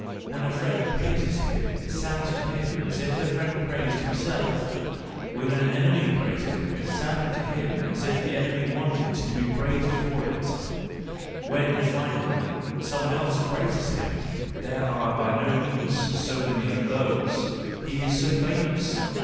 When a friend praises him it sounds to him as if the friend praised himself; when an enemy praises him, it sounds to him as if the enemy wanted to be praised for it; when, finally, some one else praises him—there are by no means so many of these, he is so famous!